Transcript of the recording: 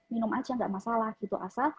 minum aja nggak masalah gitu asal